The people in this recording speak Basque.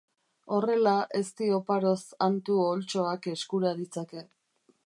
Horrela ezti oparoz hantu oholtxoak eskura ditzake!